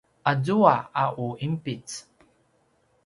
azua a u inpic